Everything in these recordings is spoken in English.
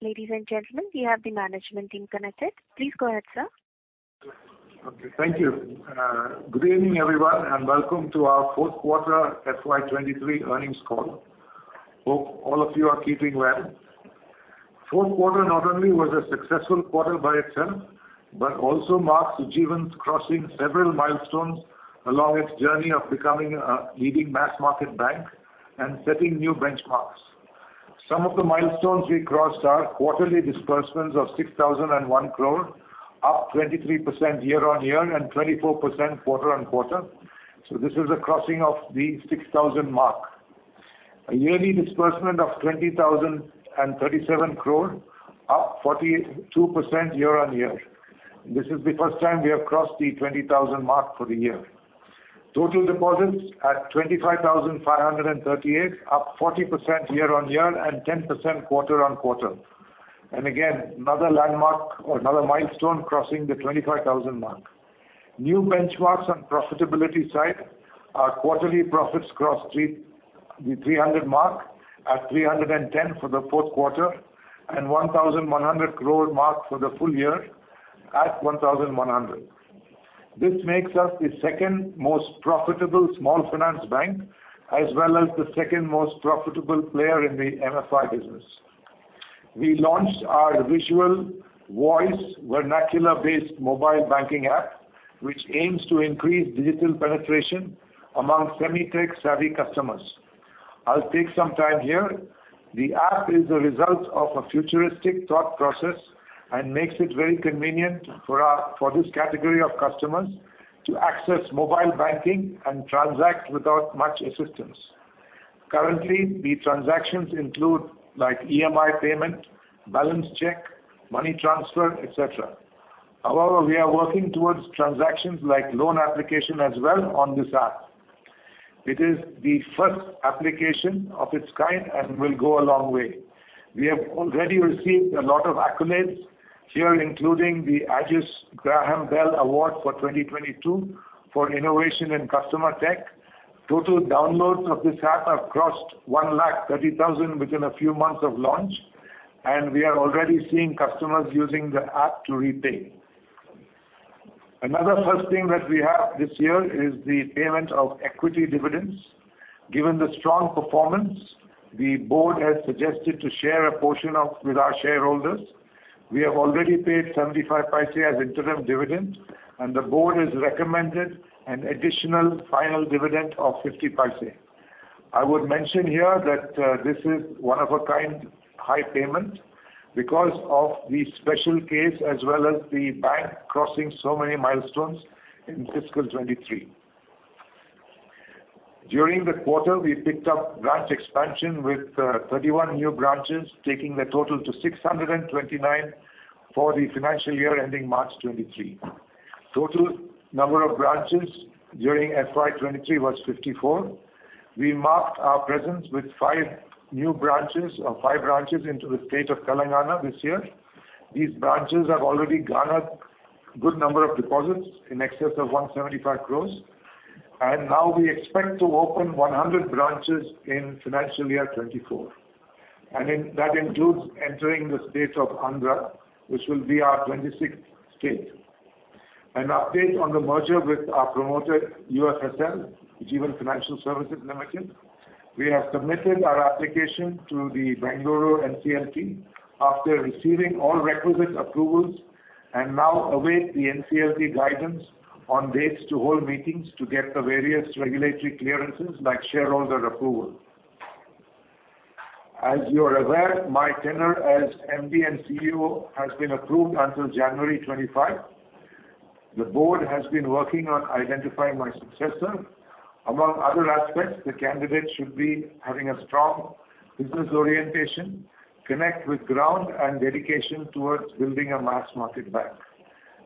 Ladies and gentlemen, we have the management team connected. Please go ahead, sir. Okay, thank you. Good evening, everyone, and welcome to our Fourth Quarter FY 2023 Earnings Call. Hope all of you are keeping well. Fourth quarter not only was a successful quarter by itself, but also marks Ujjivan's crossing several milestones along its journey of becoming a leading mass-market bank and setting new benchmarks. Some of the milestones we crossed are quarterly disbursements of 6,001 crore, up 23% year-on-year and 24% quarter-on-quarter, so this is a crossing of the 6,000 mark. A yearly disbursement of 20,037 crore, up 42% year-on-year. This is the first time we have crossed the 20,000 mark for the year. Total deposits at 25,538, up 40% year-on-year and 10% quarter-on-quarter. Again, another landmark or another milestone crossing the 25,000 mark. New benchmarks on profitability side, our quarterly profits crossed the 300 mark at 310 for the fourth quarter and 1,100 crore mark for the full year at 1,100. This makes us the second most profitable small finance bank as well as the second most profitable player in the MFI business. We launched our visual voice vernacular-based mobile banking app, which aims to increase digital penetration among semi-tech savvy customers. I'll take some time here. The app is a result of a futuristic thought process and makes it very convenient for this category of customers to access mobile banking and transact without much assistance. Currently, the transactions include like EMI payment, balance check, money transfer, et cetera. However, we are working towards transactions like loan application as well on this app. It is the first application of its kind and will go a long way. We have already received a lot of accolades here, including the Aegis Graham Bell Awards for 2022 for innovation in customer tech. Total downloads of this app have crossed 130,000 within a few months of launch, we are already seeing customers using the app to repay. Another first thing that we have this year is the payment of equity dividends. Given the strong performance, the board has suggested to share a portion of with our shareholders. We have already paid 0.75 as interim dividend, the board has recommended an additional final dividend of 0.50. I would mention here that this is one of a kind high payment because of the special case as well as the bank crossing so many milestones in fiscal 2023. During the quarter, we picked up branch expansion with 31 new branches, taking the total to 629 for the financial year ending March 2023. Total number of branches during FY 2023 was 54. We marked our presence with five new branches or five branches into the state of Telangana this year. These branches have already garnered good number of deposits in excess of 175 crores. Now we expect to open 100 branches in financial year 2024. That includes entering the state of Andhra, which will be our 26th state. An update on the merger with our promoter, UFSL, Ujjivan Financial Services Limited. We have submitted our application to the Bengaluru NCLT after receiving all requisite approvals and now await the NCLT guidance on dates to hold meetings to get the various regulatory clearances like shareholder approval. As you are aware, my tenure as MD and CEO has been approved until January 25. The board has been working on identifying my successor. Among other aspects, the candidate should be having a strong business orientation, connect with ground and dedication towards building a mass-market bank.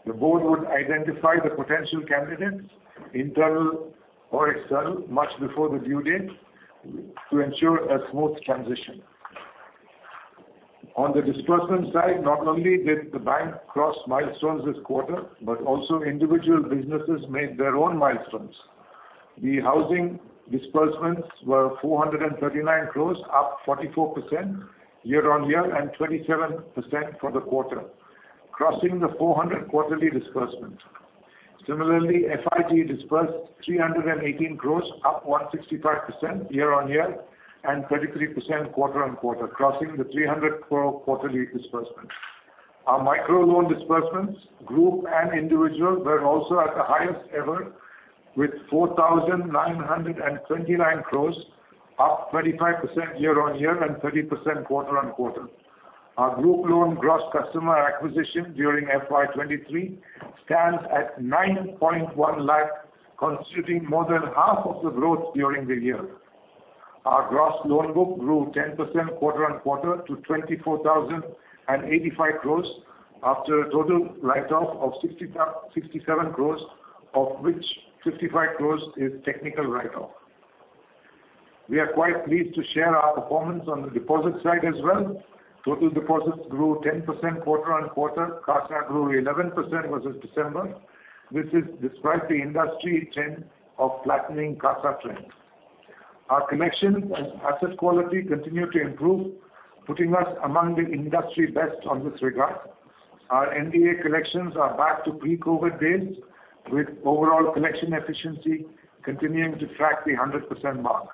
The board would identify the potential candidates, internal or external, much before the due date to ensure a smooth transition. On the disbursement side, not only did the bank cross milestones this quarter, but also individual businesses made their own milestones. The housing disbursements were 439 crores, up 44% year-on-year and 27% for the quarter, crossing the 400 quarterly disbursement. Similarly, FIG disbursed 318 crores, up 165% year-on-year and 33% quarter-on-quarter, crossing the 300 crore quarterly disbursement. Our micro loan disbursements, group and individual, were also at the highest ever with 4,929 crores, up 35% year-on-year and 30% quarter-on-quarter. Our group loan gross customer acquisition during FY 2023 stands at 9.1 lakh, constituting more than half of the growth during the year. Our gross loan book grew 10% quarter-on-quarter to 24,085 crores after a total write-off of 67 crores, of which 55 crores is technical write-off. We are quite pleased to share our performance on the deposit side as well. Total deposits grew 10% quarter-on-quarter. CASA grew 11% versus December, which is despite the industry trend of flattening CASA trends. Our collections and asset quality continue to improve, putting us among the industry best on this regard. Our NDA collections are back to pre-COVID days, with overall collection efficiency continuing to track the 100% mark.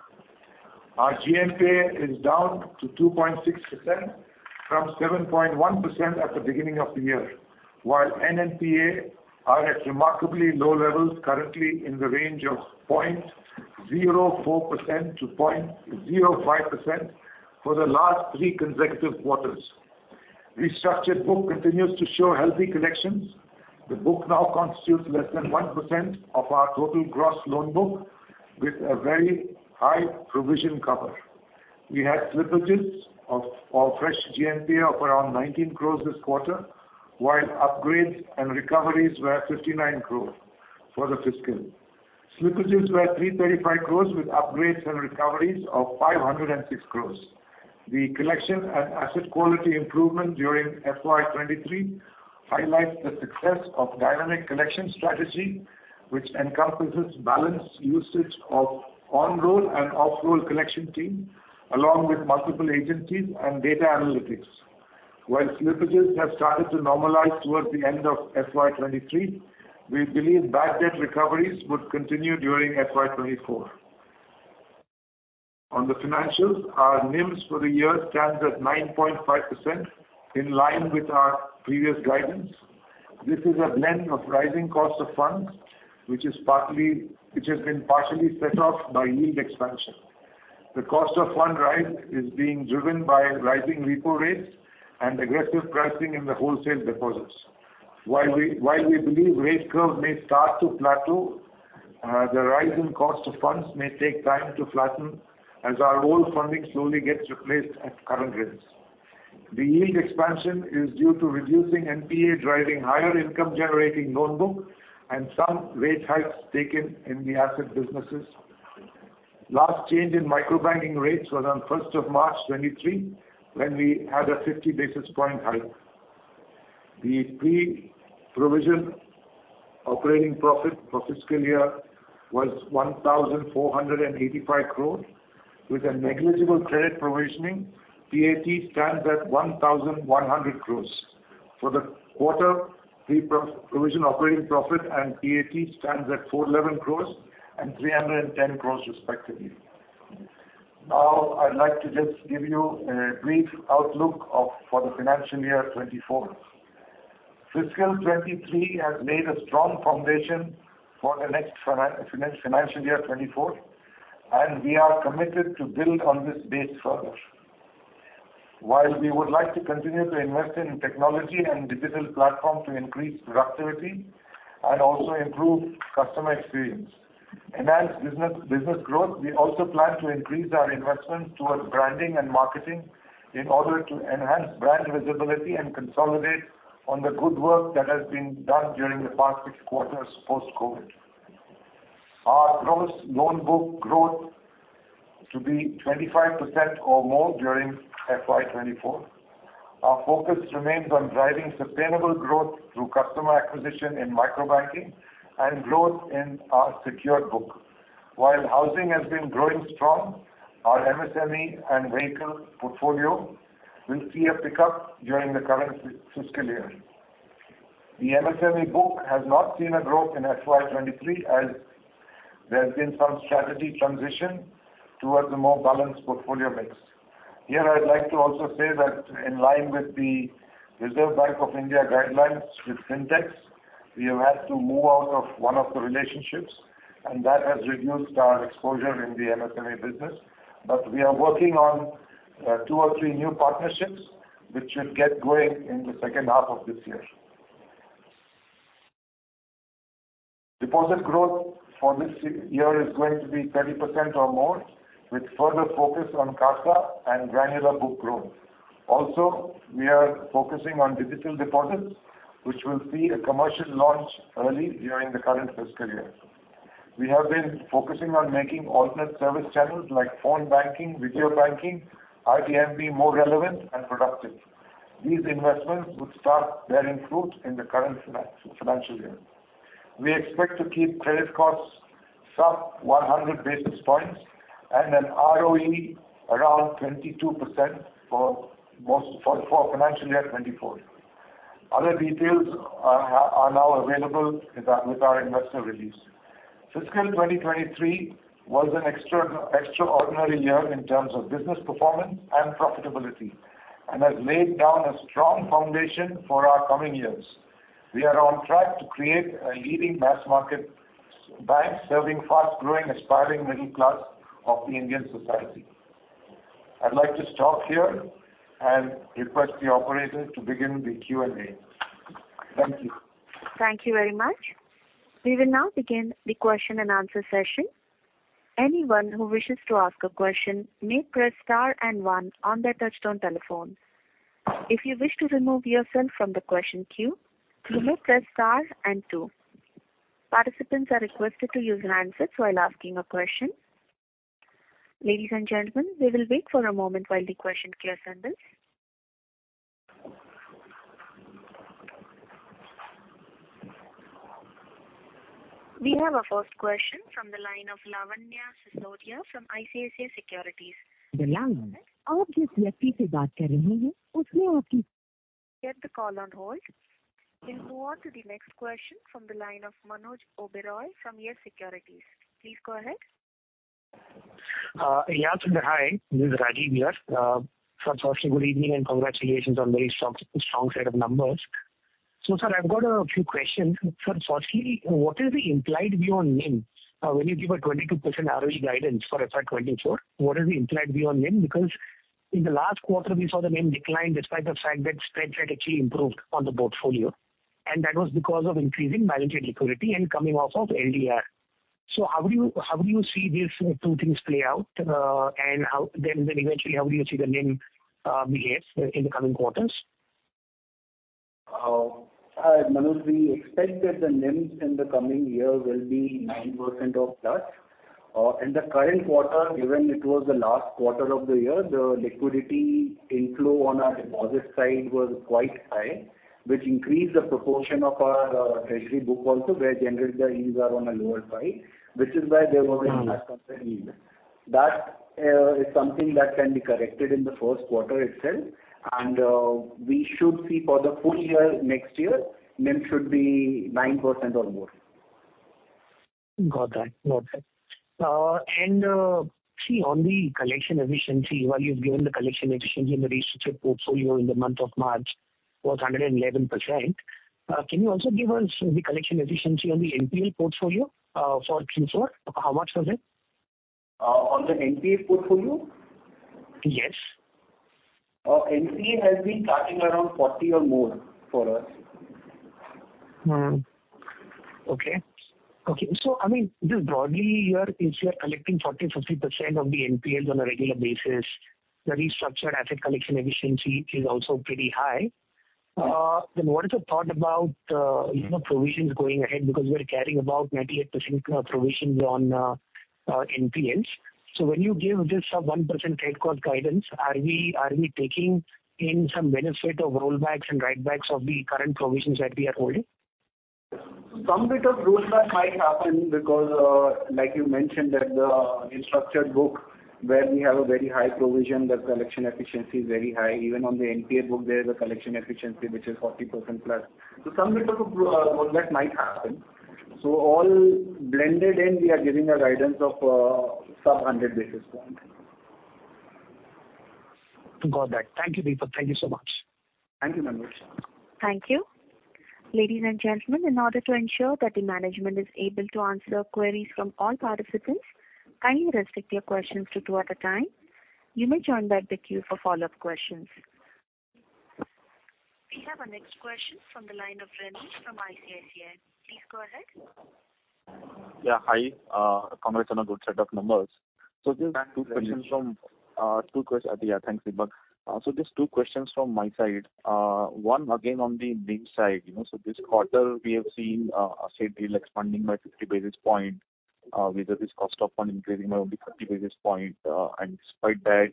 Our GNPA is down to 2.6% from 7.1% at the beginning of the year. While NNPA are at remarkably low levels currently in the range of 0.04%-0.05% for the last three consecutive quarters. Restructured book continues to show healthy collections. The book now constitutes less than 1% of our total gross loan book with a very high provision cover. We had slippages of our fresh GNPA of around 19 crore this quarter, while upgrades and recoveries were 59 crore for the fiscal. Slippages were 335 crore with upgrades and recoveries of 506 crore. The collection and asset quality improvement during FY 2023 highlights the success of dynamic collection strategy, which encompasses balanced usage of on-roll and off-roll collection team, along with multiple agencies and data analytics. Slippages have started to normalize towards the end of FY 2023, we believe bad debt recoveries would continue during FY 2024. On the financials, our NIMs for the year stands at 9.5% in line with our previous guidance. This is a blend of rising cost of funds, which has been partially set off by yield expansion. The cost of fund rise is being driven by rising repo rates and aggressive pricing in the wholesale deposits. While we believe rate growth may start to plateau, the rise in cost of funds may take time to flatten as our old funding slowly gets replaced at current rates. The yield expansion is due to reducing NPA, driving higher income generating loan book and some rate hikes taken in the asset businesses. Last change in micro banking rates was on 1st of March 2023, when we had a 50 basis point hike. The pre-provision operating profit for fiscal year was 1,485 crores with a negligible credit provisioning. PAT stands at 1,100 crores. For the quarter, pre-provision operating profit and PAT stands at 411 crores and 310 crores respectively. I'd like to just give you a brief outlook for the financial year 2024. Fiscal 2023 has laid a strong foundation for the next financial year, 2024, and we are committed to build on this base further. While we would like to continue to invest in technology and digital platform to increase productivity and also improve customer experience, enhance business growth, we also plan to increase our investment towards branding and marketing in order to enhance brand visibility and consolidate on the good work that has been done during the past six quarters post-COVID. Our gross loan book growth to be 25% or more during FY 2024. Our focus remains on driving sustainable growth through customer acquisition in micro banking and growth in our secured book. Housing has been growing strong, our MSME and vehicle portfolio will see a pickup during the current fiscal year. The MSME book has not seen a growth in FY 2023, as there has been some strategy transition towards a more balanced portfolio mix. Here I'd like to also say that in line with the Reserve Bank of India guidelines with Fintech, we have had to move out of one of the relationships, and that has reduced our exposure in the MSME business. We are working on two or three new partnerships which should get going in the second half of this year. Deposit growth for this year is going to be 30% or more, with further focus on CASA and granular book growth. We are focusing on digital deposits, which will see a commercial launch early during the current fiscal year. We have been focusing on making alternate service channels like phone banking, video banking, IVMB more relevant and productive. These investments would start bearing fruit in the current financial year. We expect to keep credit costs sub 100 basis points and an ROE around 22% for most for financial year 2024. Other details are now available with our investor release. Fiscal 2023 was an extra-extraordinary year in terms of business performance and profitability and has laid down a strong foundation for our coming years. We are on track to create a leading mass market bank, serving fast-growing, aspiring middle class of the Indian society. I'd like to stop here and request the operator to begin the Q&A. Thank you. Thank you very much. We will now begin the question and answer session. Anyone who wishes to ask a question may press star and one on their touch-tone telephones. If you wish to remove yourself from the question queue, you may press star and two. Participants are requested to use landlines while asking a question. Ladies and gentlemen, we will wait for a moment while the question queue assembles. We have our first question from the line of Lavanya Sisodia from ICICI Securities. The line is. Get the call on hold. We'll move on to the next question from the line of Manuj Oberoi from Yes Securities. Please go ahead. Yes. Hi, this is Rajiv here. First of all, good evening and congratulations on very strong set of numbers. Sir, I've got a few questions. Sir, firstly, what is the implied view on NIM? When you give a 22% ROE guidance for FY 2024, what is the implied view on NIM? Because in the last quarter we saw the NIM decline despite the fact that strategically improved on the portfolio, and that was because of increasing liability liquidity and coming off of LDR. How do you see these two things play out, and how then eventually how will you see the NIM behave in the coming quarters? Manuj, we expect that the NIMs in the coming year will be 9% of that. In the current quarter, given it was the last quarter of the year, the liquidity inflow on our deposit side was quite high, which increased the proportion of our treasury book also where generally the yields are on a lower side. This is why there was That is something that can be corrected in the first quarter itself. We should see for the full year next year, NIM should be 9% or more. Got that. See on the collection efficiency, while you've given the collection efficiency in the restricted portfolio in the month of March was 111%. Can you also give us the collection efficiency on the NPL portfolio for Q4? How much was it? on the NPL portfolio? Yes. NPL has been starting around 40% or more for us. Okay. Okay. I mean, just broadly here, if you're collecting 40%-50% of the NPLs on a regular basis, the restructured asset collection efficiency is also pretty high. What is your thought about, you know, provisions going ahead because we are carrying about 98% provisions on NPLs. When you give this sub 1% credit cost guidance, are we taking in some benefit of rollbacks and write-backs of the current provisions that we are holding? Some bit of rollback might happen because, like you mentioned that the unstructured book where we have a very high provision, the collection efficiency is very high. Even on the NPA book, there is a collection efficiency which is 40%+. Some bit of rollback might happen. All blended in, we are giving a guidance of sub 100 basis point. Got that. Thank you, Deepak. Thank you so much. Thank you, Manuj. Thank you. Ladies and gentlemen, in order to ensure that the management is able to answer queries from all participants, kindly restrict your questions to two at a time. You may join back the queue for follow-up questions. We have our next question from the line of Renish from ICICI. Please go ahead. Yeah. Hi. congrats on a good set of numbers. Thank you. Just two questions from. Yeah. Thanks, Deepak. Just two questions from my side. One again on the NIM side, you know. This quarter we have seen asset yield expanding by 50 basis points, with this cost of fund increasing by only 30 basis points. Despite that,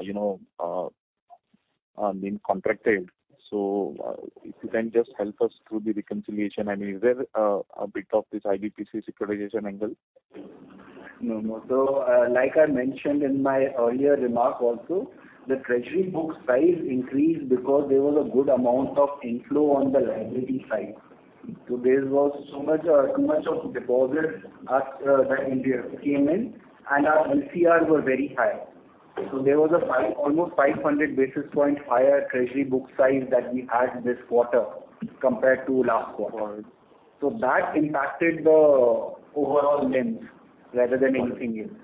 you know, NIM contracted. If you can just help us through the reconciliation. Is there a bit of this IBPC securitization angle? No, no. Like I mentioned in my earlier remark also, the treasury book size increased because there was a good amount of inflow on the liability side. There was so much, so much of deposits that India came in and our LCRs were very high. There was a five, almost 500 basis point higher treasury book size that we had this quarter compared to last quarter. Got it. That impacted the overall NIMs rather than anything else.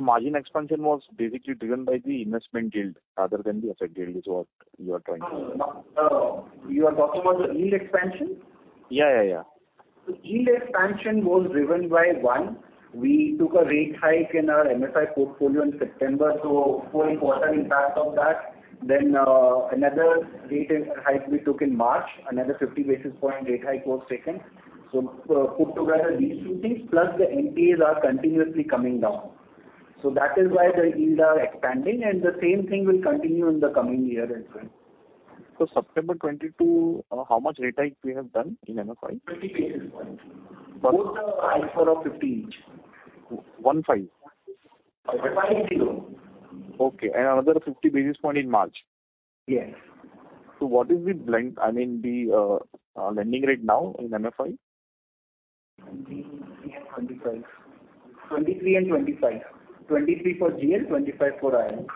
Margin expansion was basically driven by the investment yield rather than the asset yield, is what you are trying to say? no. You are talking about the yield expansion? Yeah, yeah. The yield expansion was driven by, one, we took a rate hike in our MFI portfolio in September. Full quarter impact of that. Another rate hike we took in March, another 50 basis point rate hike was taken. Put together these two things, plus the NPAs are continuously coming down. That is why the yields are expanding and the same thing will continue in the coming year as well. September 2022, how much rate hike we have done in MFI? 50 basis point. Both are high for a 50 each. one-five? five-zero. Okay. Another 50 basis point in March. Yes. What is the blend, I mean, the lending rate now in MFI? 23 and 25. 23 and 25. 23 for GL, 25 for IL. Okay.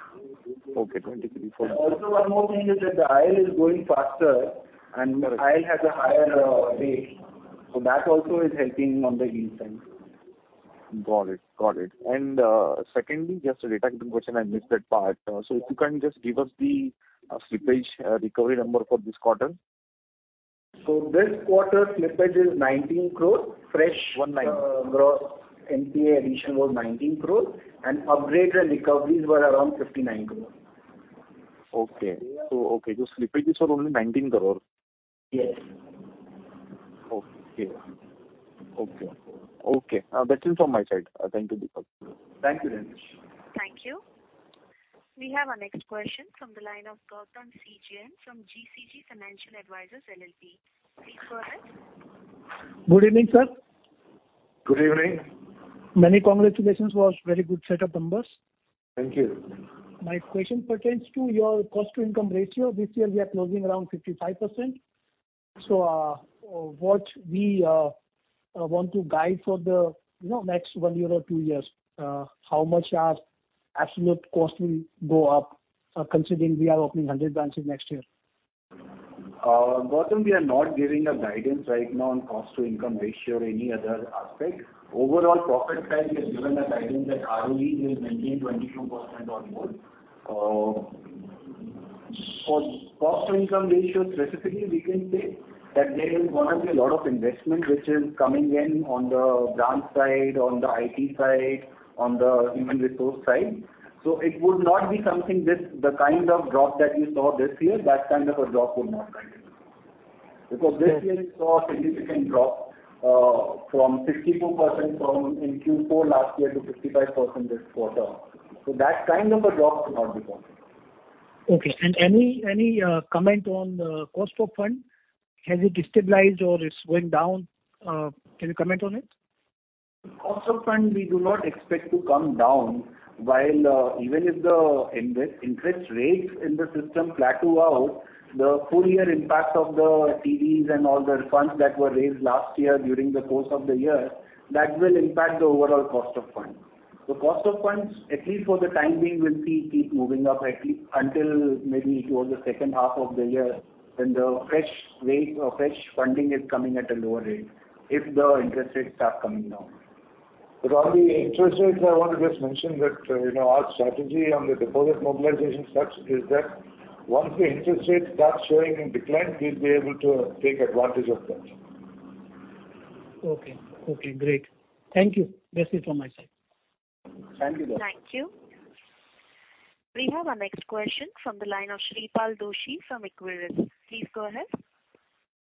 23. One more thing is that the IL is growing faster and IL has a higher rate. That also is helping on the yield side. Got it. Got it. Secondly, just a related question, I missed that part. If you can just give us the slippage recovery number for this quarter. This quarter slippage is 19 crore. one-nine? Gross NPA addition was 19 crore and upgrade and recoveries were around 59 crore. Okay. Okay, slippage is for only 19 crore. Yes. Okay. Okay. Okay. That's it from my side. Thank you, Deepak. Thank you, Renish. Thank you. We have our next question from the line of Gautam C. Jain from GCJ Financial Advisors LLP. Please go ahead. Good evening, sir. Good evening. Many congratulations. Was very good set of numbers. Thank you. My question pertains to your cost to income ratio. This year we are closing around 55%. What we want to guide for the, you know, next one year or two years, how much our absolute cost will go up, considering we are opening 100 branches next year. Gautam, we are not giving a guidance right now on cost to income ratio or any other aspect. Overall profit side, we have given a guidance that ROE will maintain 22% or more. For cost to income ratio specifically, we can say that there is going to be a lot of investment which is coming in on the branch side, on the IT side, on the human resource side. It would not be something this, the kind of drop that you saw this year, that kind of a drop would not happen. This year you saw a significant drop, from 52% from in Q4 last year to 55% this quarter. That kind of a drop would not be possible. Okay. Any comment on the cost of fund? Has it stabilized or it's going down? Can you comment on it? Cost of fund we do not expect to come down while, even if the interest rates in the system plateau out, the full year impact of the TVs and all the funds that were raised last year during the course of the year, that will impact the overall cost of funds. The cost of funds, at least for the time being, will keep moving up at least until maybe towards the second half of the year when the fresh rate or fresh funding is coming at a lower rate if the interest rates are coming down. On the interest rates, I want to just mention that, you know, our strategy on the deposit mobilization structure is that once the interest rates start showing in decline, we'll be able to take advantage of that. Okay. Okay, great. Thank you. That's it from my side. Thank you, Gautam. Thank you. We have our next question from the line of Shreepal Doshi from Equirus. Please go ahead.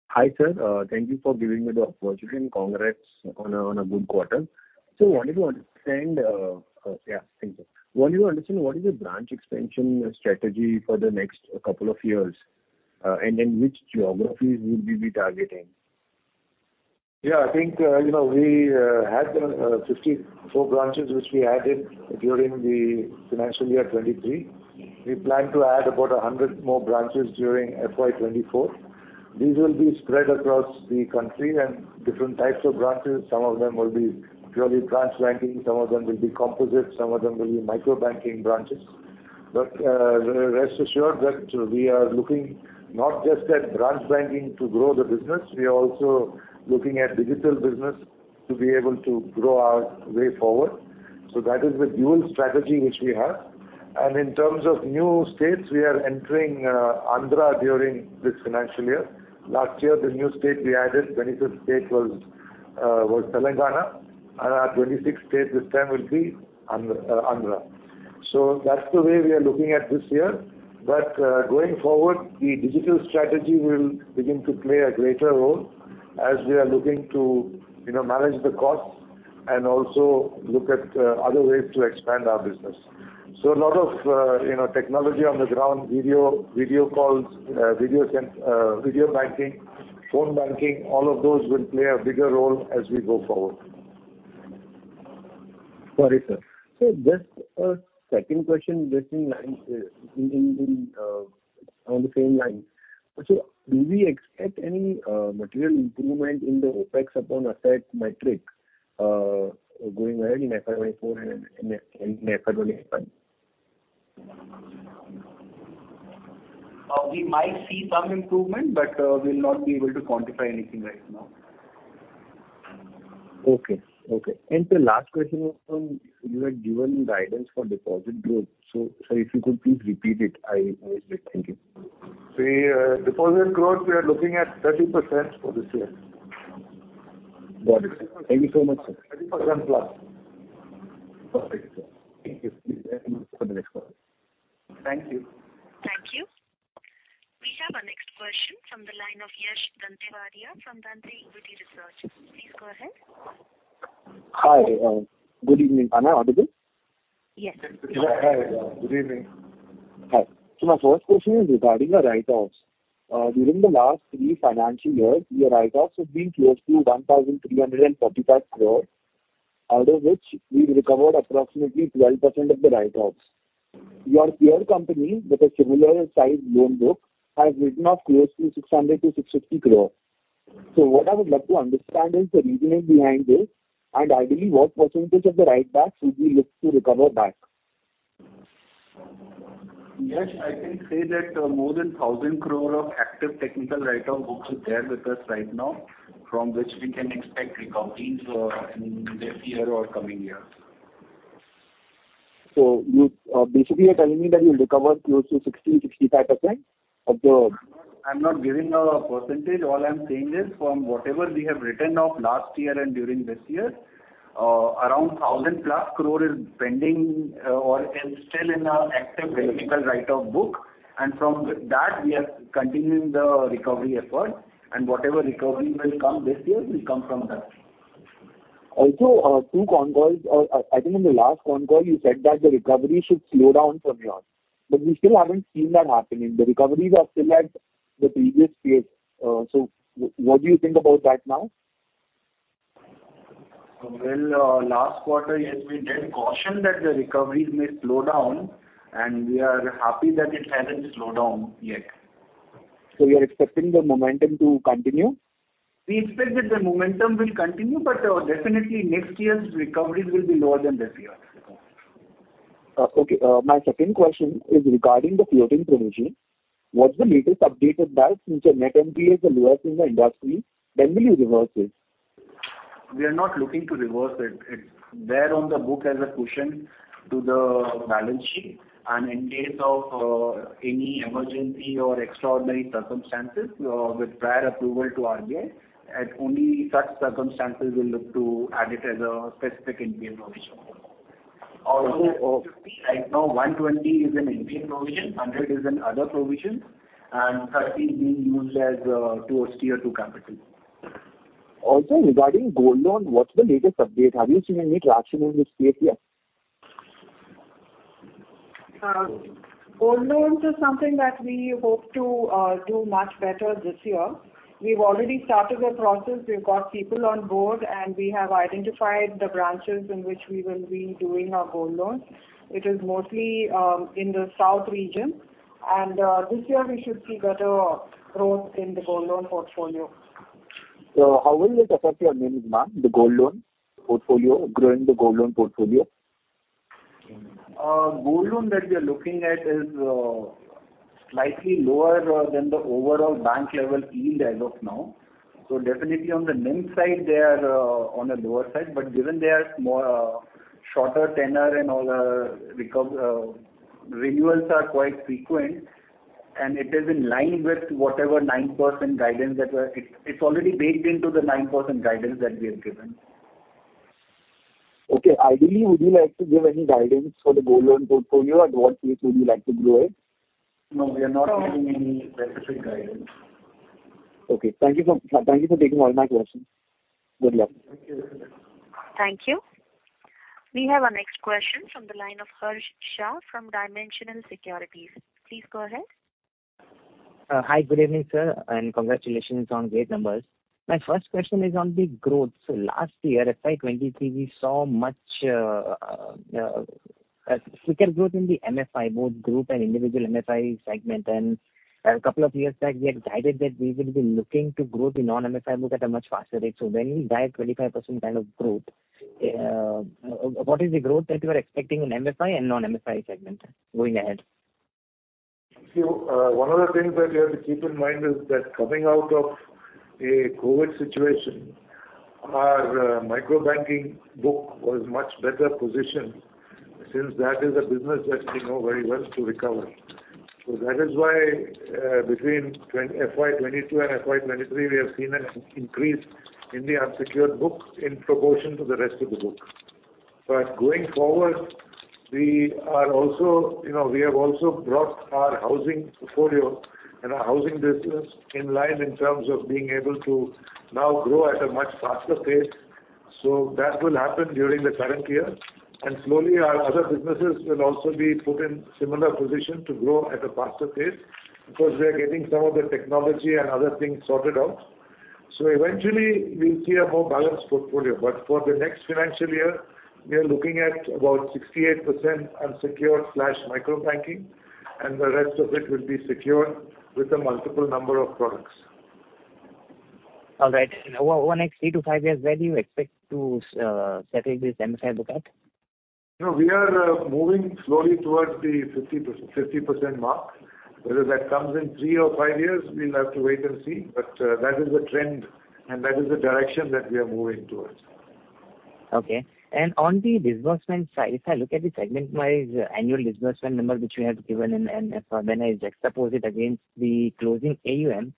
Hi, sir. Thank you for giving me the opportunity and congrats on a, on a good quarter. Yeah. Thank you. Wanted to understand what is your branch expansion strategy for the next couple of years, which geographies will you be targeting? Yeah, I think, you know, we had 54 branches which we added during the financial year 2023. We plan to add about 100 more branches during FY 2024. These will be spread across the country and different types of branches. Some of them will be purely branch banking, some of them will be composite, some of them will be micro banking branches. Rest assured that we are looking not just at branch banking to grow the business, we are also looking at digital business to be able to grow our way forward. That is the dual strategy which we have. In terms of new states, we are entering Andhra during this financial year. Last year, the new state we added, 25th state was Telangana. Our 26th state this time will be Andhra. That's the way we are looking at this year. Going forward, the digital strategy will begin to play a greater role as we are looking to, you know, manage the costs and also look at, other ways to expand our business. A lot of, you know, technology on the ground, video calls, video banking, phone banking, all of those will play a bigger role as we go forward. Got it, sir. Just a second question, just in line, in on the same line. Do we expect any material improvement in the OpEx upon asset metric, going ahead in FY 2024 and in FY 2025? We might see some improvement, but we'll not be able to quantify anything right now. Okay. Okay. The last question was on, you had given guidance for deposit growth. Sir, if you could please repeat it, I would say thank you. See, deposit growth, we are looking at 30% for this year. Got it. Thank you so much, sir. 30%+. Perfect. Thank you. Thank you. Thank you. Thank you. We have our next question from the line of Yash Dantewadia from Dante Equity Research. Please go ahead. Hi. Good evening. Am I audible? Yes. Yeah. Hi. Good evening. Hi. My first question is regarding your write-offs. During the last three financial years, your write-offs have been close to 1,345 crore, out of which we've recovered approximately 12% of the write-offs. Your peer company with a similar sized loan book has written off close to 600-650 crore. What I would love to understand is the reasoning behind this, and ideally what percentage of the write-backs would we look to recover back? I can say that, more than 1,000 crore of active technical write-off books is there with us right now, from which we can expect recoveries, in this year or coming year. You basically you're telling me that you'll recover close to 60%-65%. I'm not giving a %. All I'm saying is from whatever we have written off last year and during this year, around 1,000+ crore is pending, or is still in our active technical write-off book. From that we are continuing the recovery effort and whatever recovery will come this year will come from that. Also, two concalls, I think in the last concall you said that the recovery should slow down from here. We still haven't seen that happening. The recoveries are still at the previous pace. What do you think about that now? Well, last quarter, yes, we did caution that the recoveries may slow down. We are happy that it hasn't slowed down yet. You're expecting the momentum to continue? We expect that the momentum will continue, but, definitely next year's recoveries will be lower than this year's. Okay. My second question is regarding the floating provision. What's the latest update with that? Since your net NPA is the lowest in the industry, when will you reverse it? We are not looking to reverse it. It's there on the book as a cushion to the balance sheet. In case of any emergency or extraordinary circumstances, with prior approval to RBI, at only such circumstances we'll look to add it as a specific NPA provision. Oh, okay. Right now, 120 is in NPA provision, 100 is in other provision and 30 is being used as a, to steer to capital. Also regarding gold loan, what's the latest update? Have you seen any traction in this space yet? Gold loans is something that we hope to do much better this year. We've already started the process. We've got people on board, and we have identified the branches in which we will be doing our gold loans. It is mostly in the south region and this year we should see better growth in the gold loan portfolio. How will it affect your NIMs, ma'am, the gold loan portfolio, growing the gold loan portfolio? Gold loan that we are looking at is slightly lower than the overall bank level yield as of now. Definitely on the NIMs side they are on the lower side, but given they are more shorter tenure and all the renewals are quite frequent and it is in line with whatever 9% guidance that we're... It's already baked into the 9% guidance that we have given. Okay. Ideally, would you like to give any guidance for the gold loan portfolio? At what pace would you like to grow it? No, we are not giving any specific guidance. Okay. Thank you for taking all my questions. Good luck. Thank you. Thank you. We have our next question from the line of Harsh Shah from Dimensional Securities. Please go ahead. Hi. Good evening, sir, and congratulations on great numbers. My first question is on the growth. Last year, FY 2023, we saw much quicker growth in the MFI book group and individual MFI segment. A couple of years back, we had guided that we will be looking to grow the non-MFI book at a much faster rate. When we guide 25% kind of growth, what is the growth that you are expecting in MFI and non-MFI segment going ahead? One of the things that you have to keep in mind is that coming out of a COVID situation, our microbanking book was much better positioned since that is a business that we know very well to recover. That is why, between FY 2022 and FY 2023, we have seen an increase in the unsecured book in proportion to the rest of the book. Going forward, we are also, you know, we have also brought our housing portfolio and our housing business in line in terms of being able to now grow at a much faster pace. That will happen during the current year. Slowly our other businesses will also be put in similar position to grow at a faster pace because we are getting some of the technology and other things sorted out. Eventually we'll see a more balanced portfolio. For the next financial year, we are looking at about 68% unsecured slash microbanking, and the rest of it will be secured with a multiple number of products. All right. In over next three to five years, where do you expect to settle this MFI book at? No, we are moving slowly towards the 50% mark. Whether that comes in three or five years, we'll have to wait and see. That is the trend and that is the direction that we are moving towards. Okay. On the disbursement side, if I look at the segment-wise annual disbursement number which you have given in MFI, when I juxtapose it against the closing AUM,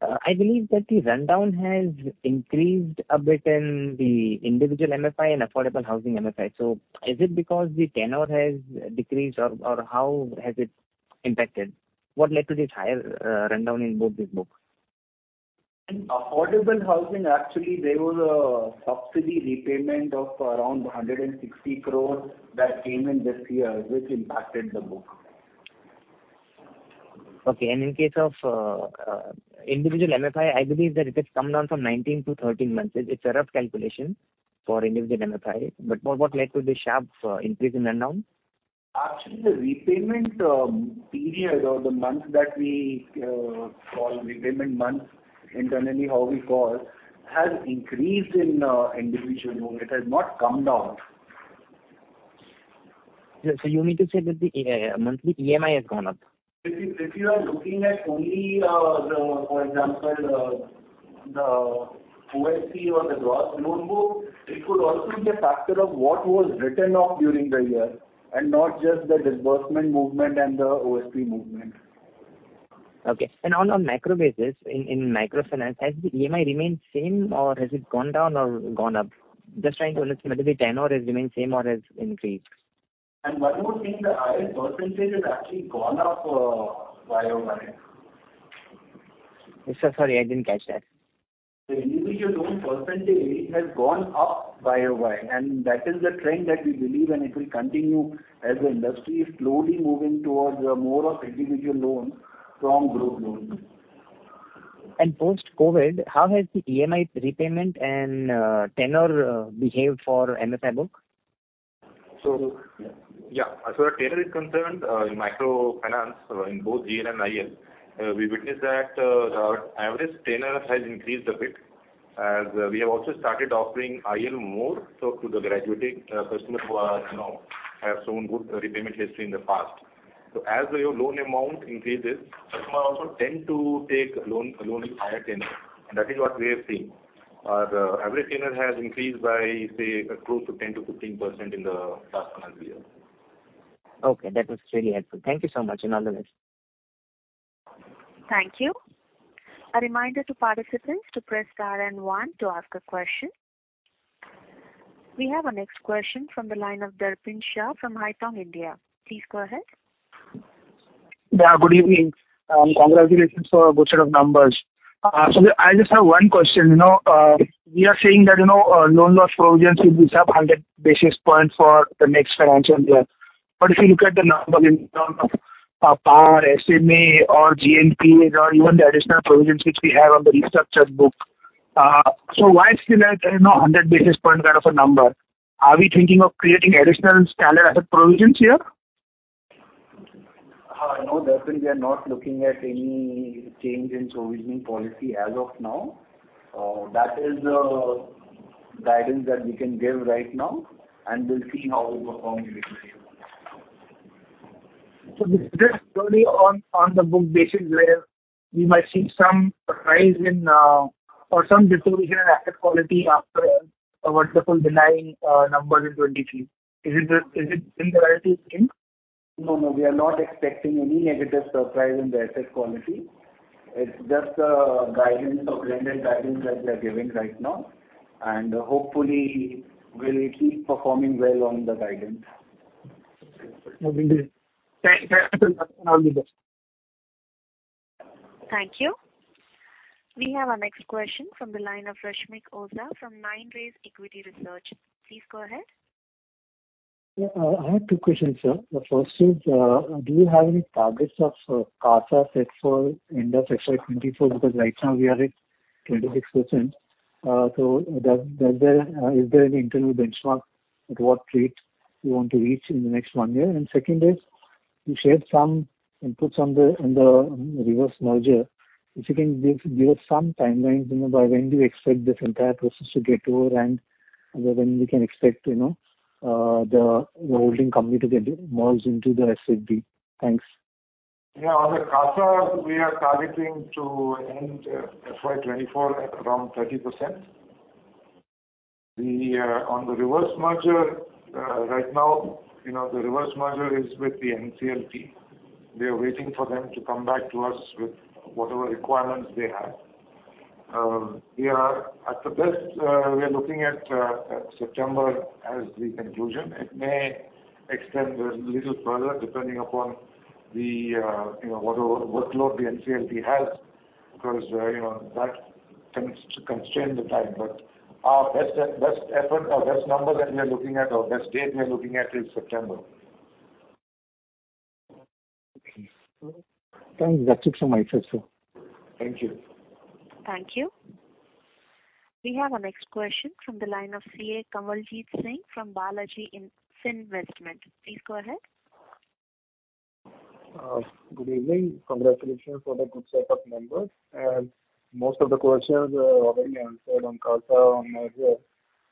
I believe that the rundown has increased a bit in the individual MFI and affordable housing MFI. Is it because the tenure has decreased or how has it impacted? What led to this higher rundown in both these books? In affordable housing, actually there was a subsidy repayment of around 160 crores that came in this year which impacted the book. Okay. In case of, individual MFI, I believe that it has come down from 19 to 13 months. Is it a rough calculation for individual MFI? What led to the sharp increase in rundown? Actually, the repayment, period or the month that we, call repayment month internally, how we call, has increased in, individual loan. It has not come down. You mean to say that the monthly EMI has gone up? If you are looking at only, the, for example, the OSP or the gross loan book, it could also be a factor of what was written off during the year and not just the disbursement movement and the OSP movement. Okay. On a macro basis, in microfinance, has the EMI remained same or has it gone down or gone up? Just trying to understand whether the tenure has remained same or has increased. One more thing, the IR % has actually gone up YOY. Sir, sorry, I didn't catch that. The individual loan percentage has gone up by a while. That is the trend that we believe. It will continue as the industry is slowly moving towards more of individual loans from group loans. Post-COVID, how has the EMI repayment and tenure behaved for MFI book? Yeah. As far as tenure is concerned, in microfinance, in both JL and IL, we witnessed that our average tenure has increased a bit as we have also started offering IL more so to the graduating customers who are, you know, have shown good repayment history in the past. As your loan amount increases, customers also tend to take loan, a loan with higher tenure, and that is what we are seeing. Our average tenure has increased by, say, close to 10%-15% in the past one year. Okay. That was really helpful. Thank you so much and all the best. Thank you. A reminder to participants to press star and one to ask a question. We have our next question from the line of Darpin Shah from Haitong India. Please go ahead. Yeah, good evening. Congratulations for a good set of numbers. I just have one question. You know, we are saying that, you know, loan loss provisions will be up 100 basis points for the next financial year. If you look at the number in terms of PAR, SMA or GNPA or even the additional provisions which we have on the restructured book, why still at, you know, 100 basis point kind of a number? Are we thinking of creating additional standard asset provisions here? No, Darpin, we are not looking at any change in provisioning policy as of now. That is the guidance that we can give right now, and we'll see how we perform in the future. This is only on the book basis where we might see some rise in, or some deterioration in asset quality after a wonderful delaying, numbers in 2023. Is it the, is it sincerity of things? No, we are not expecting any negative surprise in the asset quality. It's just a guidance of general guidance that we are giving right now. Hopefully we'll keep performing well on the guidance. Okay. Thank you. Thank you. We have our next question from the line of Rusmik Oza from 9 Rays Equity Research. Please go ahead. Yeah. I have two questions, sir. The first is, do you have any targets of CASA set for end of FY 2024? Right now we are at 26%. Is there any internal benchmark at what rate you want to reach in the next one year? Second is, you shared some inputs on the reverse merger. If you can give us some timelines, you know, by when do you expect this entire process to get over and when we can expect, you know, the holding company to get merged into the SFB. Thanks. Yeah. On the CASA, we are targeting to end FY 2024 at around 30%. We, on the reverse merger, right now, you know, the reverse merger is with the NCLT. We are waiting for them to come back to us with whatever requirements they have. We are, at the best, we are looking at September as the conclusion. It may extend a little further depending upon the, you know, whatever workload the NCLT has, because, you know, that tends to constrain the time. Our best effort or best number that we are looking at or best date we are looking at is September. Okay. Thanks. That's it from my side, sir. Thank you. Thank you. We have our next question from the line of CA Kamaljeet Singh from Balaji Finvestment. Please go ahead. Good evening. Congratulations for the good set of numbers. Most of the questions are already answered on CASA, on merger.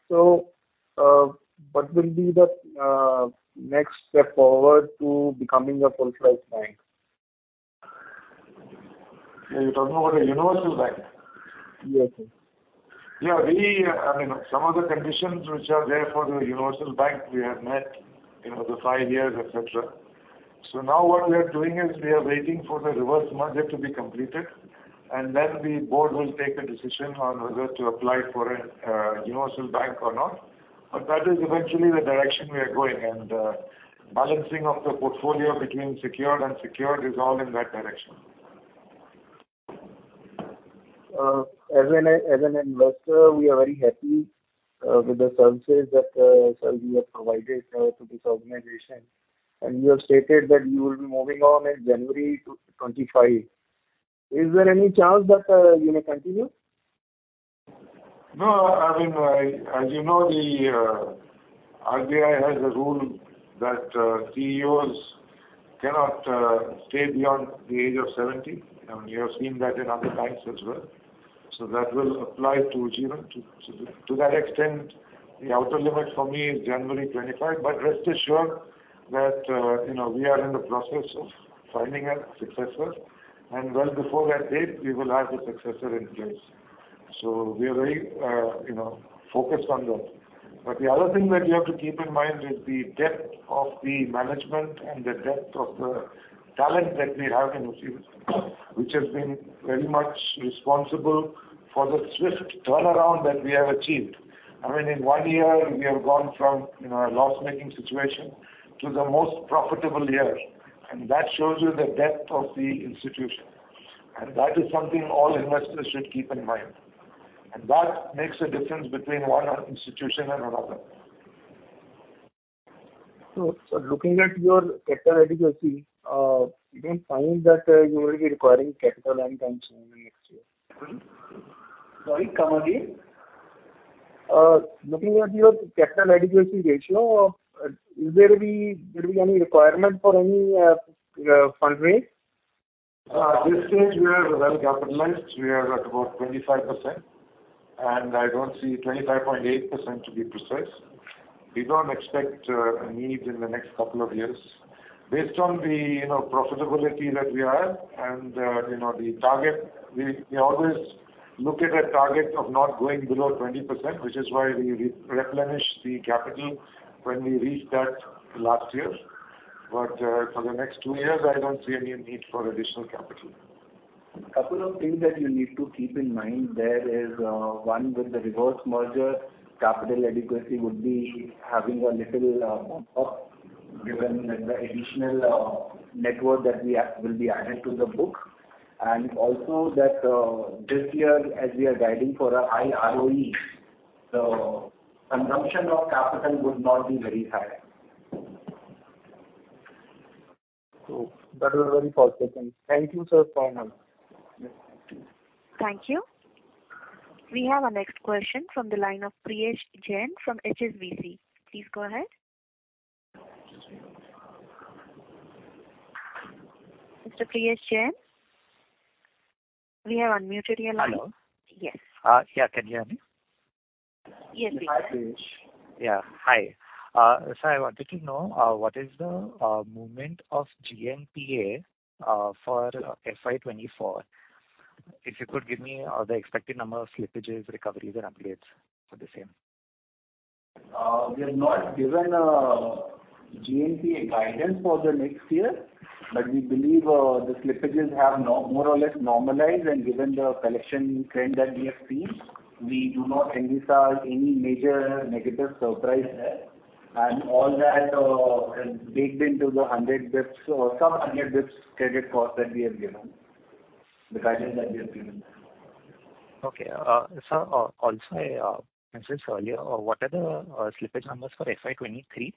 What will be the next step forward to becoming a full-fledged bank? You're talking about a universal bank? Yes, sir. Yeah. We, I mean, some of the conditions which are there for the universal bank we have met, you know, the five years, et cetera. Now what we are doing is we are waiting for the reverse merger to be completed, and then the board will take a decision on whether to apply for a universal bank or not. That is eventually the direction we are going, and balancing of the portfolio between secured and secured is all in that direction. As an investor, we are very happy with the services that sir you have provided to this organization. You have stated that you will be moving on in January 2025. Is there any chance that you may continue? No. I mean, I, as you know, the RBI has a rule that CEOs cannot stay beyond the age of 70. I mean, you have seen that in other banks as well. That will apply to Ujjivan too. To that extent, the outer limit for me is January 25. Rest assured that, you know, we are in the process of finding a successor, and well before that date we will have the successor in place. We are very, you know, focused on that. The other thing that you have to keep in mind is the depth of the management and the depth of the talent that we have in Ujjivan, which has been very much responsible for the swift turnaround that we have achieved. I mean, in one year we have gone from, you know, a loss-making situation to the most profitable year, and that shows you the depth of the institution. That is something all investors should keep in mind. That makes a difference between one institution and another. Sir, looking at your capital adequacy, we don't find that you will be requiring capital anytime soon next year. Sorry, come again? Looking at your capital adequacy ratio, will be any requirement for any fund raise? This stage we are well-capitalized. We are at about 25%, 25.8% to be precise. We don't expect a need in the next couple of years based on the, you know, profitability that we have and, you know, the target. We always look at a target of not going below 20%, which is why we re-replenished the capital when we reached that last year. For the next two years, I don't see any need for additional capital. Couple of things that you need to keep in mind there is, one, with the reverse merger, capital adequacy would be having a little bump up given that the additional network that we have will be added to the book. Also that, this year, as we are guiding for a high ROE, so consumption of capital would not be very high. That was very first question. Thank you, sir, for your help. Thank you. We have our next question from the line of Priyesh Jain from HSBC. Please go ahead. Mr. Priyesh Jain? We have unmuted your line. Hello. Yes. Yeah. Can you hear me? Yes, we can. Hi, Priyesh. Yeah. Hi. I wanted to know, what is the movement of GNPA for FY 2024? If you could give me the expected number of slippages, recoveries and upgrades for the same? We have not given a GNPA guidance for the next year, but we believe, the slippages have more or less normalized. Given the collection trend that we have seen, we do not anticipate any major negative surprise there. All that is baked into the 100 basis points or sub-100 basis points credit cost that we have given, the guidance that we have given. Okay. Sir, also I mentioned earlier, what are the slippage numbers for FY 2023?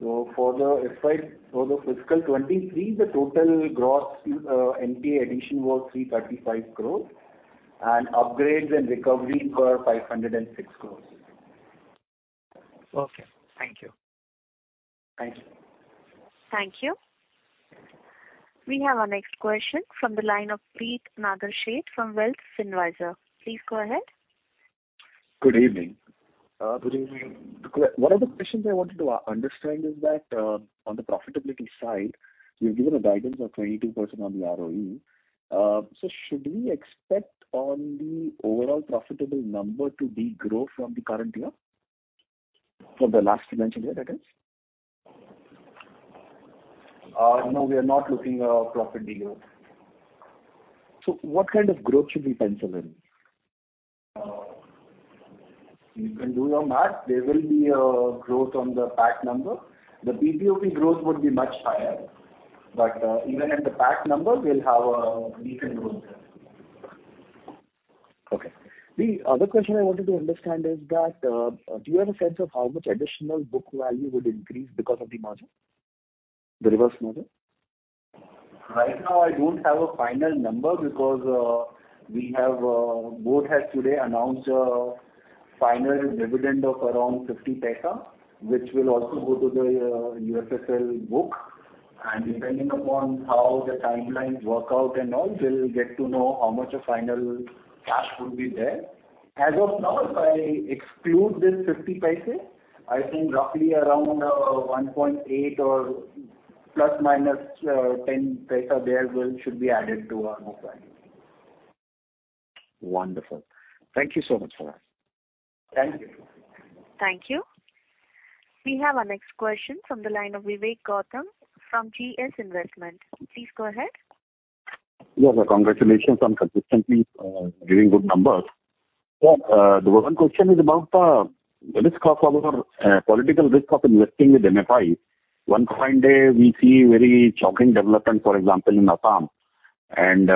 For the FY, for the fiscal 2023, the total gross NPA addition was 335 crores and upgrades and recovery were 506 crores. Okay. Thank you. Thank you. Thank you. We have our next question from the line of Preet Nagersheth from Wealth Finvisor. Please go ahead. Good evening. Good evening. One of the questions I wanted to understand is that, on the profitability side, you've given a guidance of 22% on the ROE. Should we expect on the overall profitable number to degrow from the current year? From the last financial year that is. No, we are not looking a profit degrowth. What kind of growth should we pencil in? You can do your math. There will be a growth on the PAT number. The PPOP growth would be much higher. Even at the PAT number we'll have a decent growth there. Okay. The other question I wanted to understand is that, do you have a sense of how much additional book value would increase because of the merger? The reverse merger. Right now, I don't have a final number because board has today announced a final dividend of around 50 paisa, which will also go to the UFSL book. Depending upon how the timelines work out and all, we'll get to know how much of final cash will be there. As of now, if I exclude this 50 paise, I think roughly around 1.8 or ±10 paise there will, should be added to our book value. Wonderful. Thank you so much for that. Thank you. Thank you. We have our next question from the line of Vivek Gautam from GS Investments. Please go ahead. Yes, sir. Congratulations on consistently giving good numbers. Sir, the one question is about the risk of our political risk of investing with MFIs. One fine day we see very shocking development, for example, in Assam and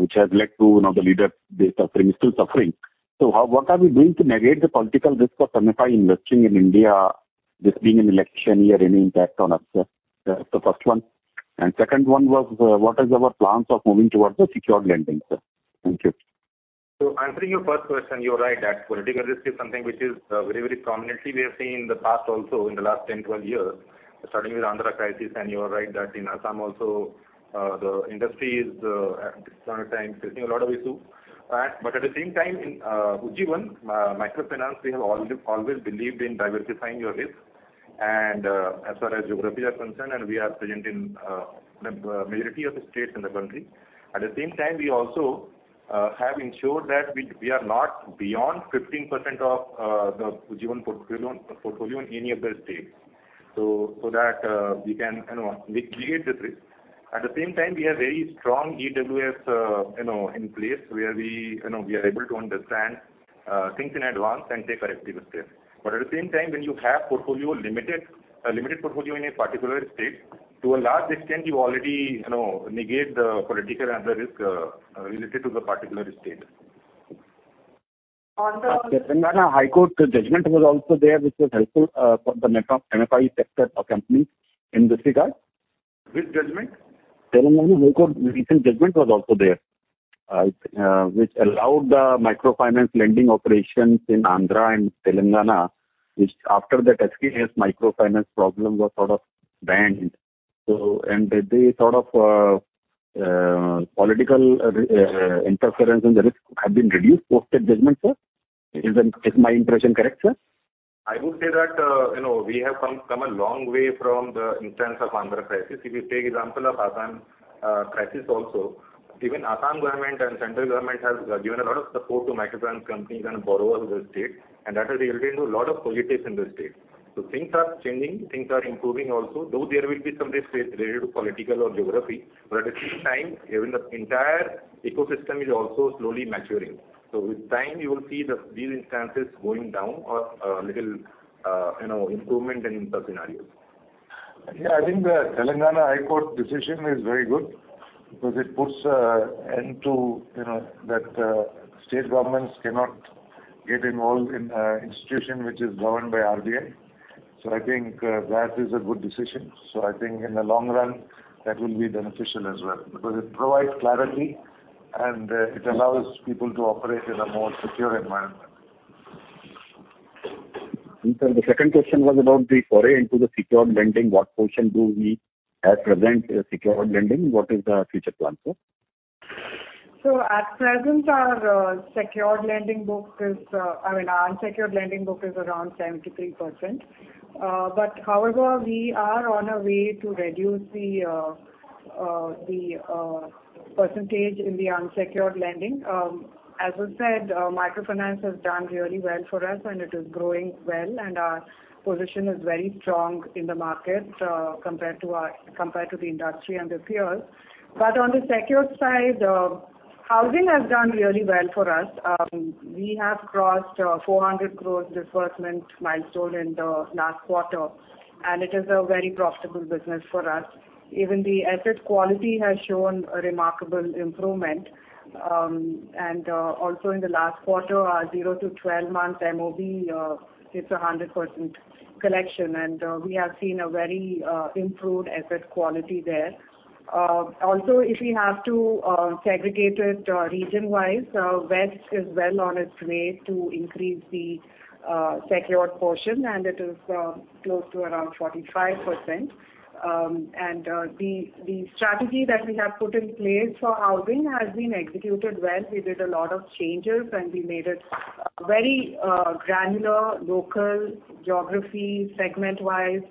which has led to, you know, the leader is suffering, still suffering. What are we doing to navigate the political risk of MFI investing in India, this being an election year, any impact on us, sir? That's the first one. Second one was, what is our plans of moving towards the secured lending, sir? Thank you. Answering your first question, you're right that political risk is something which is very prominently we have seen in the past also in the last 10, 12 years, starting with Andhra crisis. You are right that in Assam also, the industry is at this point of time facing a lot of issue. At the same time, in Ujjivan microfinance, we have always believed in diversifying your risk and as far as geographies are concerned, and we are present in the majority of the states in the country. At the same time, we also have ensured that we are not beyond 15% of the Ujjivan portfolio in any of the states. So that we can, you know, mitigate the risk. At the same time, we have very strong EWS, you know, in place where we, you know, we are able to understand things in advance and take corrective steps. At the same time, when you have portfolio limited, a limited portfolio in a particular state, to a large extent you already, you know, negate the political and the risk related to the particular state. On the- Telangana High Court judgment was also there, which was helpful for the micro MFI sector or companies in this regard. Which judgment? Telangana High Court recent judgment was also there. Which allowed the microfinance lending operations in Andhra and Telangana, which after that SKS Microfinance problem was sort of banned. They thought of political interference and the risk have been reduced post that judgment, sir. Is my impression correct, sir? I would say that, you know, we have come a long way from the instance of Andhra crisis. If you take example of Assam crisis also, even Assam government and central government has given a lot of support to microfinance companies and borrowers in the state, and that has resulted into a lot of politics in the state. Things are changing, things are improving also, though there will be some risk related to political or geography, but at the same time, even the entire ecosystem is also slowly maturing. With time, you will see these instances going down or, you know, little improvement in such scenarios. Yeah, I think the Telangana High Court decision is very good because it puts end to, you know, that state governments cannot get involved in a institution which is governed by RBI. I think that is a good decision. I think in the long run, that will be beneficial as well because it provides clarity and it allows people to operate in a more secure environment. Sir, the second question was about the foray into the secured lending. What portion do we at present in secured lending? What is the future plan, sir? At present our secured lending book is. I mean, our unsecured lending book is around 73%. However, we are on a way to reduce the percentage in the unsecured lending. As I said, microfinance has done really well for us and it is growing well and our position is very strong in the market, compared to our, compared to the industry and the peers. On the secured side, housing has done really well for us. We have crossed 400 crores disbursement milestone in the last quarter, and it is a very profitable business for us. Even the asset quality has shown a remarkable improvement. Also in the last quarter, our zero to 12 month MOB hits 100% collection. We have seen a very improved asset quality there. Also if we have to segregate it region-wise, west is well on its way to increase the secured portion, and it is close to around 45%. The strategy that we have put in place for housing has been executed well. We did a lot of changes, and we made it very granular, local, geography, segment-wise.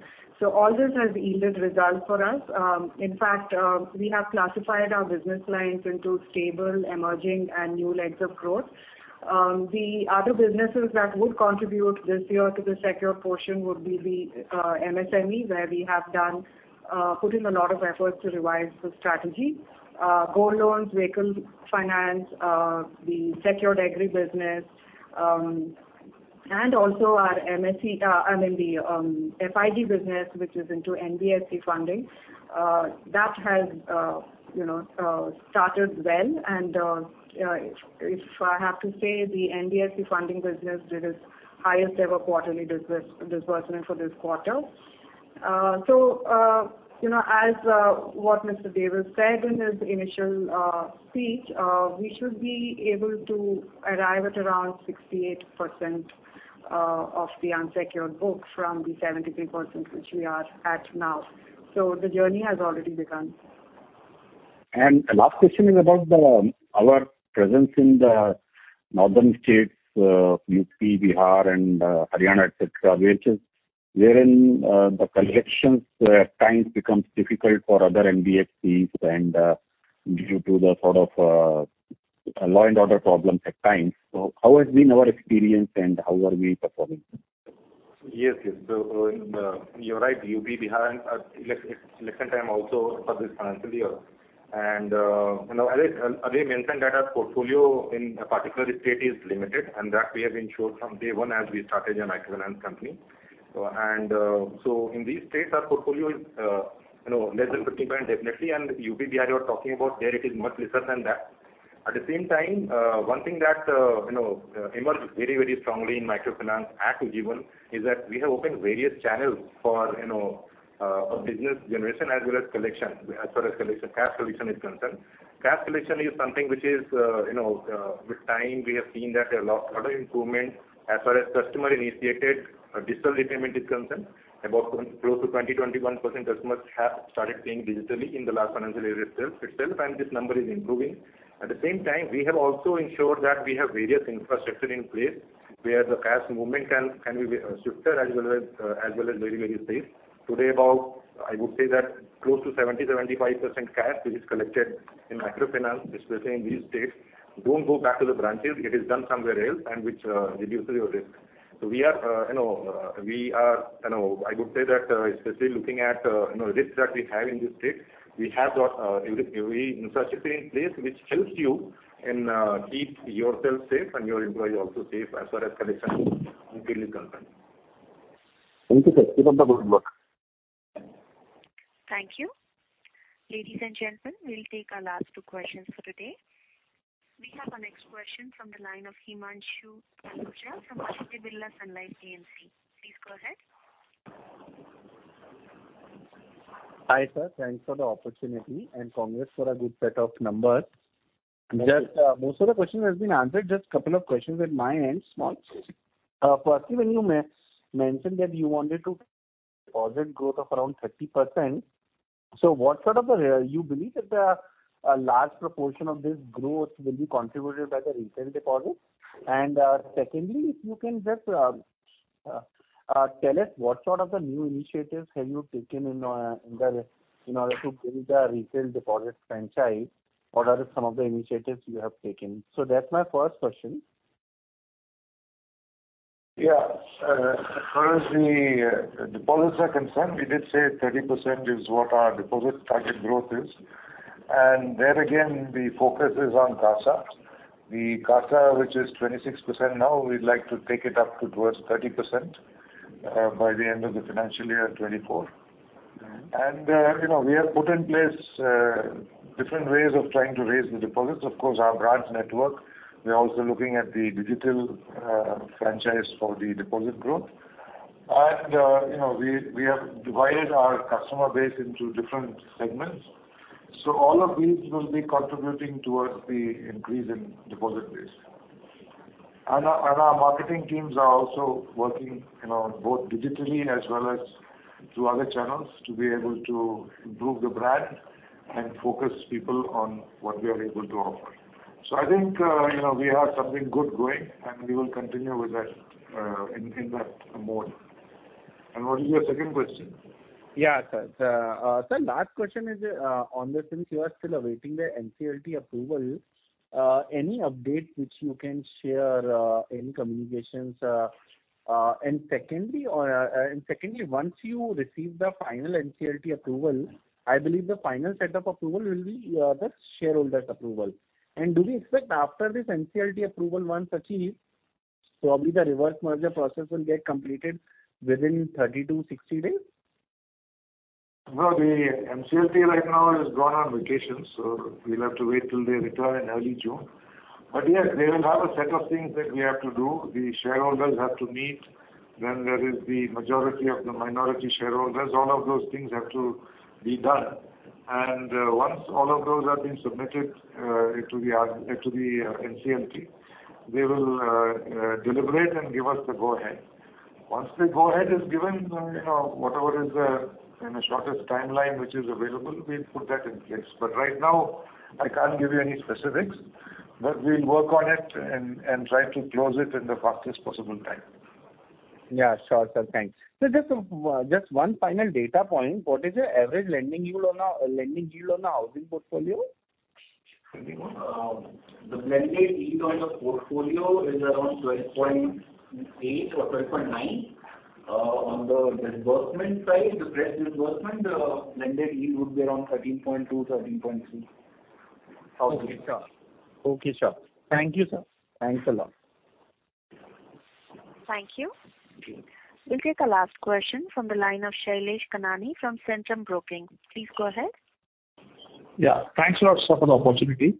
All this has yielded results for us. In fact, we have classified our business lines into stable, emerging and new legs of growth. The other businesses that would contribute this year to the secured portion would be the MSME, where we have put in a lot of efforts to revise the strategy. gold loans, vehicle finance, the secured agri business, and also our MSE, I mean the FIG business, which is into NBFC funding, that has, you know, started well. If, if I have to say, the NBFC funding business did its highest ever quarterly disbursement for this quarter. You know, as what Mr. Devas said in his initial speech, we should be able to arrive at around 68% of the unsecured books from the 73% which we are at now. The journey has already begun. Last question is about our presence in the northern states, UP, Bihar and Haryana, et cetera, which is wherein the collections at times becomes difficult for other NBFCs and due to the sort of law and order problems at times. How has been our experience and how are we performing? Yes. The, you're right, UP, Bihar election time also for this financial year. You know, as I mentioned that our portfolio in a particular state is limited, and that we have ensured from day one as we started a microfinance company. In these states our portfolio is, you know, less than 15% definitely. UP, Bihar you're talking about there it is much lesser than that. At the same time, one thing that, you know, emerged very, very strongly in microfinance at Ujjivan is that we have opened various channels for, you know, business generation as well as cash collection is concerned. Cash collection is something which is, you know, with time we have seen that a lot of improvement. As far as customer initiated, digital repayment is concerned, about close to 20%-21% customers have started paying digitally in the last financial year itself. This number is improving. At the same time, we have also ensured that we have various infrastructure in place, where the cash movement can be swifter as well as very safe. Today, about, I would say that close to 70%-75% cash which is collected in microfinance dispersing in these states don't go back to the branches. It is done somewhere else which reduces your risk. We are, you know, we are, you know, I would say that, especially looking at, you know, risks that we have in this space, we have got every insurance in place which helps you and keep yourself safe and your employee also safe as far as collections are completely concerned. Thank you, sir. Keep up the good work. Thank you. Ladies and gentlemen, we'll take our last two questions for today. We have our next question from the line of Himanshu Taluja from Aditya Birla Sun Life AMC. Please go ahead. Hi, sir. Thanks for the opportunity, and congrats for a good set of numbers. Thank you. Just, most of the questions have been answered. Just couple of questions at my end, small. Firstly, when you mentioned that you wanted to deposit growth of around 30%, what sort of a... You believe that the, a large proportion of this growth will be contributed by the retail deposits? Secondly, if you can just tell us what sort of the new initiatives have you taken in the, in order to build the retail deposit franchise? What are some of the initiatives you have taken? That's my first question. Yeah. As far as the deposits are concerned, we did say 30% is what our deposit target growth is. There again, the focus is on CASA. The CASA, which is 26% now, we'd like to take it up to towards 30%, by the end of the financial year 2024. Mm-hmm. You know, we have put in place, different ways of trying to raise the deposits. Of course, our branch network. We're also looking at the digital franchise for the deposit growth. You know, we have divided our customer base into different segments. All of these will be contributing towards the increase in deposit base. Our marketing teams are also working, you know, both digitally as well as through other channels to be able to improve the brand and focus people on what we are able to offer. I think, you know, we have something good going, and we will continue with that in that mode. What is your second question? Yeah, sir. The last question is on the since you are still awaiting the NCLT approval, any update which you can share, any communications? Secondly, once you receive the final NCLT approval, I believe the final set of approval will be the shareholders' approval. Do we expect after this NCLT approval once achieved, probably the reverse merger process will get completed within 30 to 60 days? The NCLT right now has gone on vacation, so we'll have to wait till they return in early June. Yes, there is another set of things that we have to do. The shareholders have to meet, then there is the majority of the minority shareholders. All of those things have to be done. Once all of those have been submitted to the NCLT, they will deliberate and give us the go-ahead. Once the go-ahead is given, then, you know, whatever is the, in the shortest timeline which is available, we'll put that in place. Right now, I can't give you any specifics, but we'll work on it and try to close it in the fastest possible time. Yeah, sure, sir. Thanks. Just one final data point. What is your average lending yield on a housing portfolio? The blended yield on the portfolio is around 12.8% or 12.9%. On the disbursement side, the fresh disbursement, blended yield would be around 13.2%, 13.3%. Okay, sure. Okay, sure. Thank you, sir. Thanks a lot. Thank you. Thank you. We'll take our last question from the line of Shailesh Kanani from Centrum Broking. Please go ahead. Yeah. Thanks a lot, sir, for the opportunity.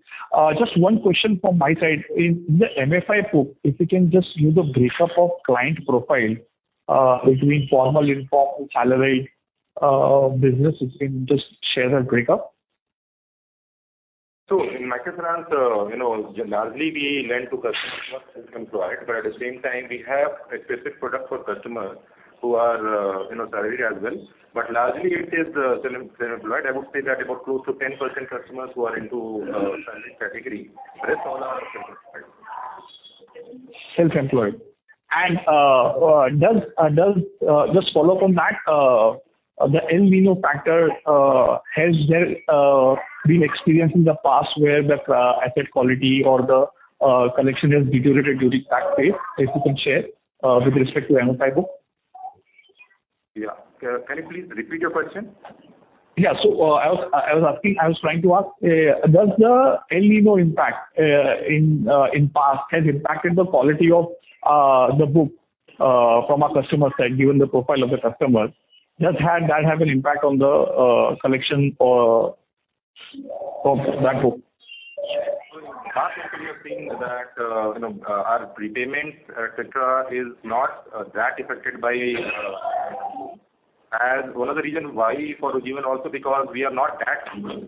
Just one question from my side. In the MFI book, if you can just give the breakup of client profile, between formal, informal, salaried, businesses, you can just share that breakup. In microfinance, you know, largely we lend to customers who are self-employed, but at the same time we have a specific product for customers who are, you know, salaried as well. Largely it is self-employed. I would say that about 2%-10% customers who are into salaried category. Rest all are self-employed. Self-employed. Does just follow from that, the El Nino factor, has there been experience in the past where the asset quality or the collection has deteriorated during that phase? If you can share with respect to MFI book. Yeah. Can you please repeat your question? Yeah. I was asking, I was trying to ask, does the El Nino impact in past has impacted the quality of the book from a customer side, given the profile of the customers? Does that have an impact on the collection or of that book? In the past also we have seen that, you know, our prepayment, et cetera, is not that affected by. One of the reason why for even also because we are not that rural.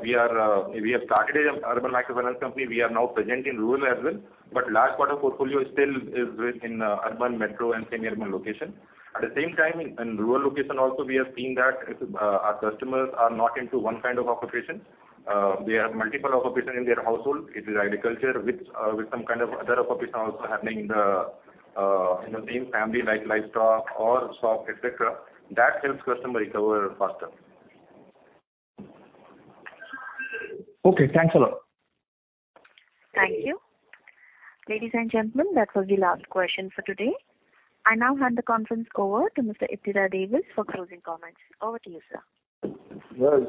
We are, we have started as a urban microfinance company. We are now present in rural as well, but large part of portfolio still is with in urban, metro and semi-urban location. At the same time, in rural location also we have seen that, our customers are not into one kind of occupation. They have multiple occupation in their household. It is agriculture with some kind of other occupation also happening in the in the same family, like livestock or shop, et cetera. That helps customer recover faster. Okay. Thanks a lot. Thank you. Ladies and gentlemen, that was the last question for today. I now hand the conference over to Mr. Ittira Davis for closing comments. Over to you, sir. Well,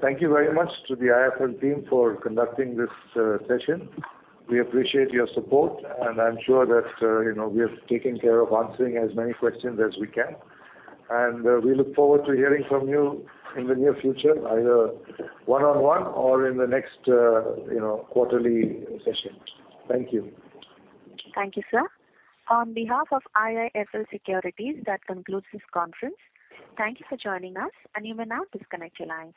thank you very much to the IIFL team for conducting this session. We appreciate your support, and I'm sure that, you know, we have taken care of answering as many questions as we can. We look forward to hearing from you in the near future, either one-on-one or in the next, you know, quarterly session. Thank you. Thank you, sir. On behalf of IIFL Securities, that concludes this conference. Thank you for joining us. You may now disconnect your lines.